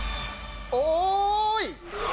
おい！